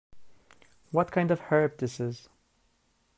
What kind of herb this is?